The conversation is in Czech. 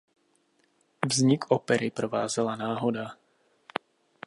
Vznik opery provázela náhoda.